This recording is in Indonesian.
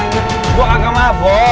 gue gak mabuk